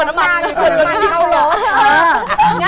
จากน้ำมัน